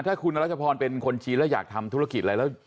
ถ้าคุณรัชพรเป็นคนจีนแล้วอยากทำธุรกิจอะไรแล้ว